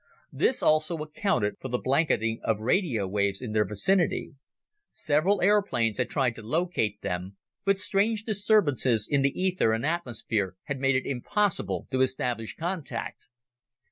This also accounted for the blanketing of radio waves in their vicinity. Several airplanes had tried to locate them, but strange disturbances in the ether and atmosphere had made it impossible to establish contact.